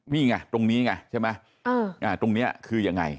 นี่ไงตรงนี้ไงใช่ไหมตรงนี้คือยังไง